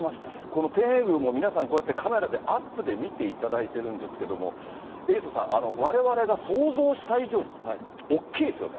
この天苑宮も皆さんにこうやってカメラでアップで見ていただいているんですけど、エイトさん、われわれが想像した以上に大きいですよね。